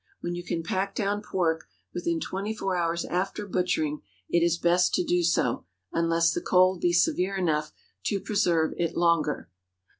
When you can pack down pork, within twenty four hours after butchering, it is best to do so, unless the cold be severe enough to preserve it longer.